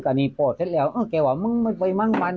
ก็บอกก็เดินออกเว้ย